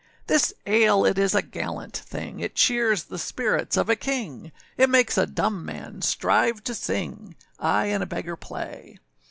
This ale it is a gallant thing, It cheers the spirits of a king; It makes a dumb man strive to sing, Aye, and a beggar play!